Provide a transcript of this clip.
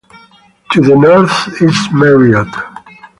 To the north is Mariotte.